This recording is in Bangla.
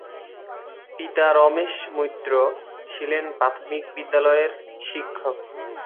পিতা রমেশ মৈত্র ছিলেন প্রাথমিক বিদ্যালয়ের শিক্ষক।